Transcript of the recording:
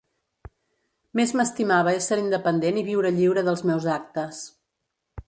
Més m'estimava ésser independent i viure lliure dels meus actes.